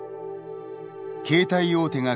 携帯大手が課す